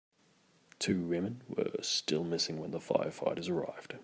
Two women were still missing when the firefighters arrived.